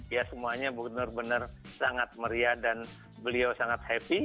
ya semuanya benar benar sangat meriah dan beliau sangat happy